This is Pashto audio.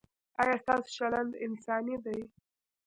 ایا ستاسو چلند انساني دی؟